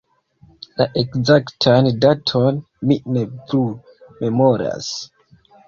La ekzaktan daton mi ne plu memoras.